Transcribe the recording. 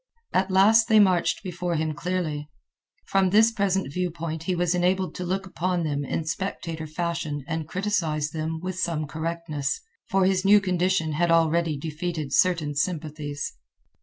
At last they marched before him clearly. From this present view point he was enabled to look upon them in spectator fashion and criticise them with some correctness, for his new condition had already defeated certain sympathies.